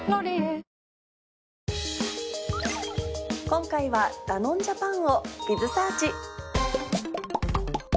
今回はダノンジャパンを。